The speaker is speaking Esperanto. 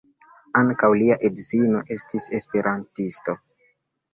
Ankaŭ lia edzino estis esperantisto.